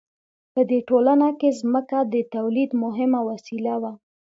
په دې ټولنه کې ځمکه د تولید مهمه وسیله وه.